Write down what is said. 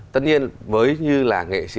tất nhiên với như là nghệ sĩ